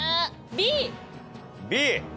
Ｂ。